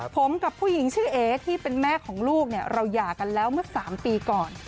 ผมกับผู้หญิงชื่อเอ๋ที่เป็นแม่ของลูกเนี่ยเราหย่ากันแล้วเมื่อ๓ปีก่อน